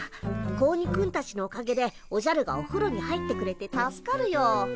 子鬼くんたちのおかげでおじゃるがおふろに入ってくれて助かるよ。